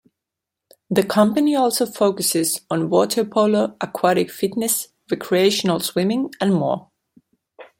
The company also focuses on water polo, aquatic fitness, recreational swimming and more.